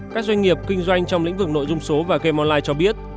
các doanh nghiệp kinh doanh trong lĩnh vực nội dung số và game online cho biết